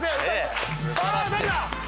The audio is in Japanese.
さぁ誰だ？